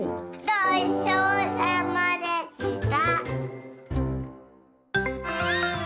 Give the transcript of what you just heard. ごちそうさまでした！